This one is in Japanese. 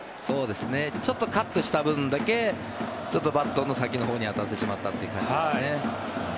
ちょっとカットした分だけバットの先のほうに当たってしまったという感じですね。